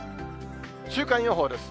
週間予報です。